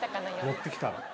乗ってきた。